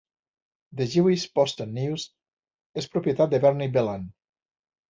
"The Jewish Post and News" és propietat de Bernie Bellan.